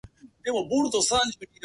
先生かわいい